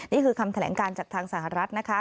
นี่คือคำแถลงการจากทางสหรัฐนะคะ